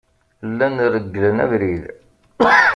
Llan regglen abrid.